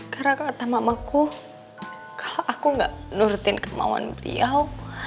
karena kata mamaku kalau aku gak nurutin kemauan beliau